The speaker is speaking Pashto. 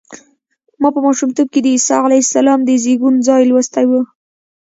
ما په ماشومتوب کې د عیسی علیه السلام د زېږون ځای لوستی و.